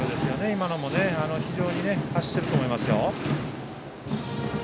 今のも非常に走っていたと思いますよ。